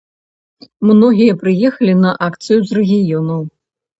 Многія прыехалі на акцыю з рэгіёнаў.